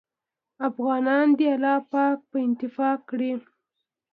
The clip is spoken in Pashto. افغانان دې الله پاک په اتفاق کړي